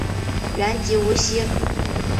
原籍无锡。